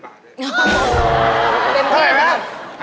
เป็นคาด